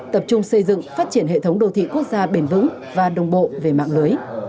tập trung xây dựng phát triển hệ thống đô thị quốc gia bền vững và đồng bộ về mạng lưới